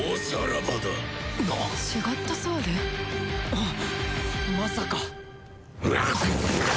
あっまさか！